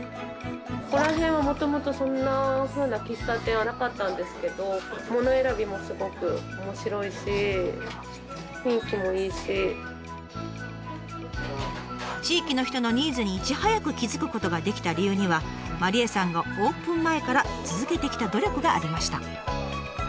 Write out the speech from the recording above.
ここら辺はもともとそんなふうな喫茶店はなかったんですけど地域の人のニーズにいち早く気付くことができた理由には麻梨絵さんがオープン前から続けてきた努力がありました。